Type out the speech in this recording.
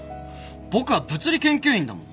僕は物理研究員だもん。